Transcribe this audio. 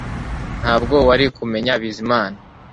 Ntabwo wari kumenya Bizimana